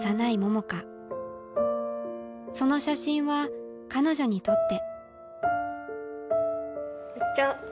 その写真は彼女にとって。